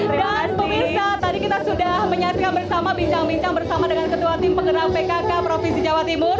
dan pemirsa tadi kita sudah menyaksikan bersama bincang bincang bersama dengan ketua tim pegeram pkk provinsi jawa timur